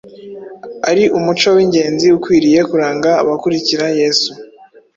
ari umuco w’ingenzi ukwiriye kuranga abakurikira Yesu.